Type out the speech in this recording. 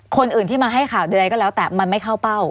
คนอื่นที่มาให้ข่าวใดก็แล้วแต่มันไม่เข้าเป้า